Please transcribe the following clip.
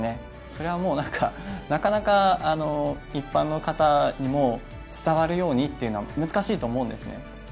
それはもうなかなか一般の方にも伝わるようにというのは難しいと思うんですね。